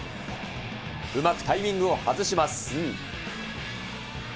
うまくタイミングを外します。